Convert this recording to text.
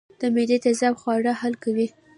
د معدې تیزاب خواړه حل کوي